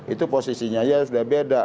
itu posisinya aja sudah beda